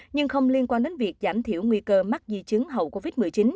nhưng không liên quan đến việc giảm thiểu nguy cơ mắc di chứng hậu covid một mươi chín